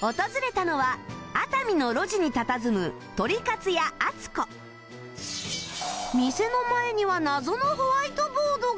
訪れたのは熱海の路地にたたずむ店の前には謎のホワイトボードが